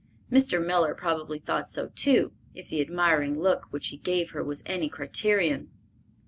Mr. Miller probably thought so too, if the admiring look which he gave her was any criterion.